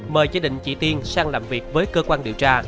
mời gia đình chị tiên sang làm việc với cơ quan điều tra